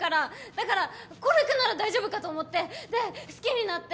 だからＫＯＲＵＫＵなら大丈夫かと思ってで好きになって。